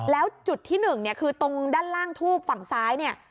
แล้วจุดที่หนึ่งคือตรงด้านล่างทูบฝั่งซ้าย